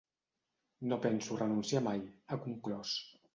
“No penso renunciar mai”, ha conclòs.